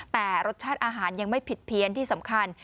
แต่รสชาติอาหารยังไม่ผิดเพี้ยนที่สำคัญ